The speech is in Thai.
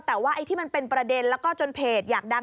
แต่ว่าไอ้ที่มันเป็นประเด็นแล้วก็จนเพจอยากดัง